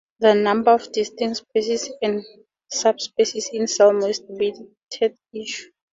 The number of distinct species and subspecies in "Salmo" is a debated issue.